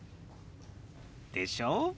でしょ？